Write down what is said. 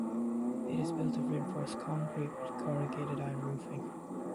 It is built of reinforced concrete with corrugated iron roofing.